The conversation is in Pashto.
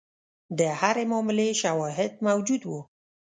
د هرې معاملې شواهد موجود وو.